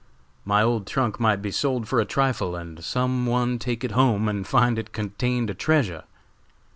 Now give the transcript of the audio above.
My old trunk might be sold for a trifle and some one take it home and find it contained a treasure.